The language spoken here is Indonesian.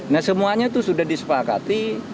nah semuanya itu sudah disepakati